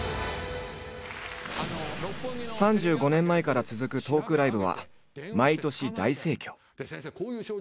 ３５年前から続くトークライブは毎年大盛況。